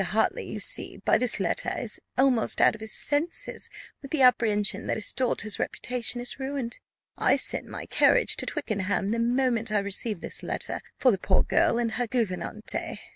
Hartley, you see by this letter, is almost out of his senses with the apprehension that his daughter's reputation is ruined. I sent my carriage to Twickenham, the moment I received this letter, for the poor girl and her gouvernante.